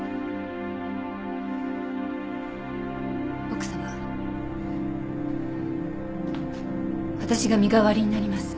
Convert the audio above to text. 奥様私が身代わりになります。